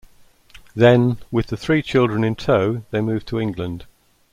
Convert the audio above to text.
Then with the three children in tow, they moved to England.